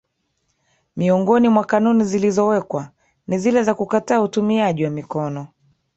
Miongoni mwa kanuni zilizowekwa ni zile za kukataa utumiaji wa mikono